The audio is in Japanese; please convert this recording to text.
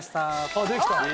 あっできた。